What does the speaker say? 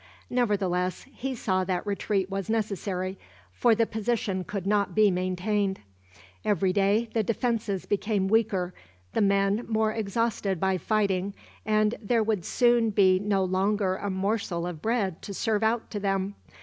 Nevertheless, he saw that retreat was necessary, for the position could not be maintained. Every day the defenses became weaker, the men more exhausted by fighting, and there would soon be no longer a morsel of bread to serve out to them.